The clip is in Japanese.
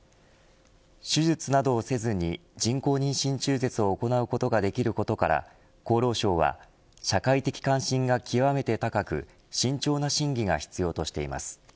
手術などをせずに人工妊娠中絶を行うことができることから厚労省は社会的関心が極めて高く慎重な審議が必要としています。